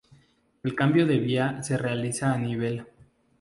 El cambio de vía se realiza a nivel.